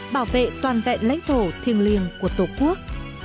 bảo vệ toàn vẹn lãnh thổ thiêng liêng của tổ quốc